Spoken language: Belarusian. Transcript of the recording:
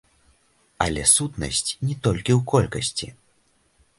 Але сутнасць не толькі ў колькасці.